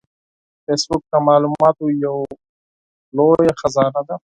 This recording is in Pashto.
فېسبوک د معلوماتو یو لوی خزانه ده